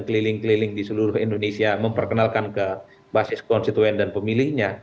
keliling keliling di seluruh indonesia memperkenalkan ke basis konstituen dan pemilihnya